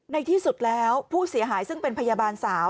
ในที่สุดแล้วผู้เสียหายซึ่งเป็นพยาบาลสาว